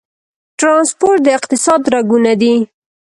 ټرانسپورټ د اقتصاد رګونه دي